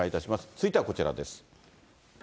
続いてはこちらです。